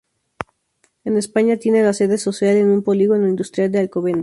En España tiene la sede social en un polígono industrial de Alcobendas.